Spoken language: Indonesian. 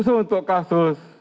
khususnya untuk kasus